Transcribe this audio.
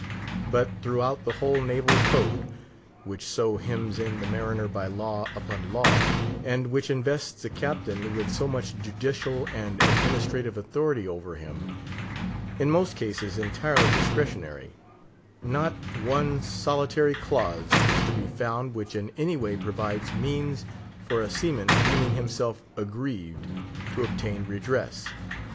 But throughout the whole naval code, which so hems in the mariner by law upon law, and which invests the Captain with so much judicial and administrative authority over him—in most cases entirely discretionary—not one solitary clause is to be found which in any way provides means for a seaman deeming himself aggrieved to obtain redress.